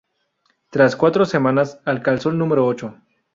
Tras cuatro semanas, alcanzó el número ocho.